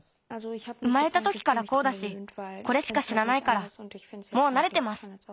生まれたときからこうだしこれしかしらないからもうなれてます。